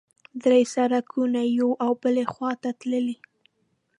درې سړکونه یوې او بلې خوا ته تللي.